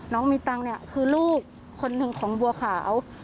น้องมีตังค์เนี่ยคือลูกคนหนึ่งของบัวขาว